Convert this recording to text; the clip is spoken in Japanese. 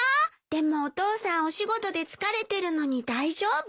でもお父さんお仕事で疲れてるのに大丈夫？